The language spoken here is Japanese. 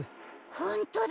ほんとだ。